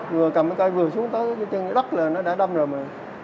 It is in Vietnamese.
vừa cầm cái cây vừa xuống tới cái nền dưới đất là nó đã đâm rồi mà